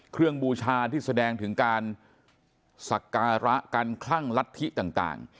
บูชาที่แสดงถึงการสักการะการคลั่งลัทธิต่าง